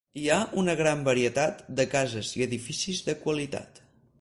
Hi ha una gran varietat de cases i edificis de qualitat.